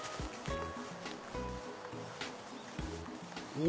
お！